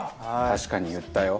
確かに言ったよ。